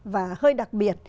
và hơi đặc biệt